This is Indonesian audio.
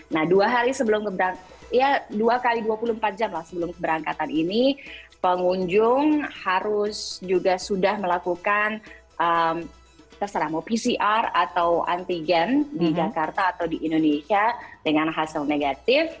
nah dua kali dua puluh empat jam sebelum keberangkatan ini pengunjung harus juga sudah melakukan pcr atau antigen di jakarta atau di indonesia dengan hasil negatif